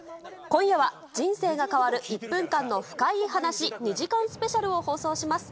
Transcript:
今夜は人生が変わる１分間の深イイ話２時間スペシャルを放送します。